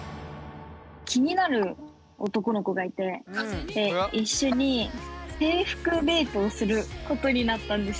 気になる男の子がいて一緒に制服デートをすることになったんです。